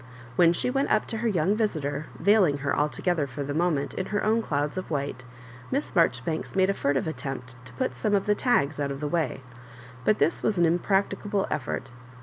When she went up to her young visitor, veiling her altogether, for the moment, in her own clouds of white. Miss Marjoribanks made a furtive attempt to put some of the tags out of the way; but this was an im practicable effort.